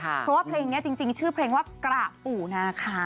เพราะว่าเพลงนี้จริงชื่อเพลงว่ากระปู่นาคา